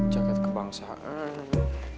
nah udah kebangsaan